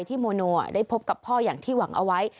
โมโนได้พบกับพ่ออย่างที่หวังเอาไว้